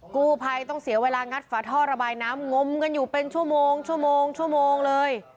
กูภัยต้องเสียเวลางัดฝาทอระบายน้ำงมกันอยู่เป็นชั่วโมงเลย